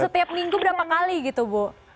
setiap minggu berapa kali gitu bu